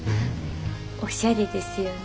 おしゃれですよね。